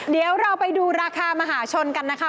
เดี๋ยวเราไปดูราคามหาชนกันนะคะ